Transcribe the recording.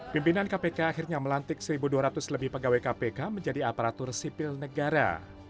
pimpinan kpk akhirnya melantik satu dua ratus lebih pegawai kpk menjadi aparatur sipil negara